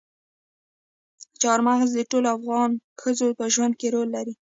چار مغز د ټولو افغان ښځو په ژوند کې رول لري.